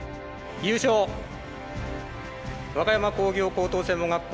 優勝和歌山工業高等専門学校